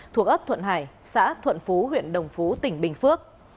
thuộc ấp thuận hải xã thuận phú huyện đồng phú tỉnh bình phước